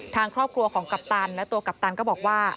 ทางครอบครัวของกัปตันและตัวกัปตันก็บอกว่า